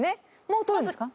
もう取るんですか？